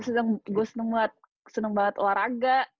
gue seneng banget seneng banget waraga